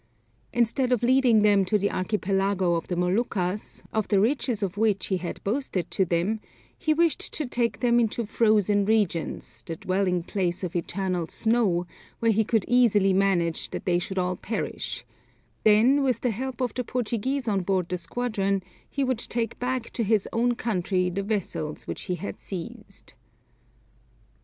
Instead of leading them to the Archipelago of the Moluccas, of the riches of which he had boasted to them, he wished to take them into frozen regions, the dwelling place of eternal snow, where he could easily manage that they should all perish; then with the help of the Portuguese on board the squadron, he would take back to his own country the vessels which he had seized.